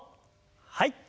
はい。